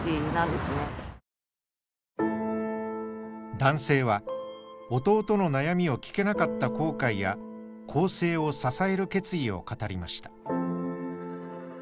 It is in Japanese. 男性は弟の悩みを聞けなかった後悔や更生を支える決意を語りました。